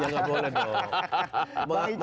ya nggak boleh dong